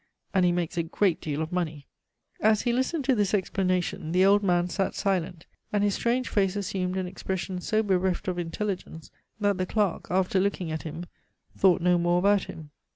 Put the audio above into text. And he makes a great deal of money." As he listened to this explanation, the old man sat silent, and his strange face assumed an expression so bereft of intelligence, that the clerk, after looking at him, thought no more about him.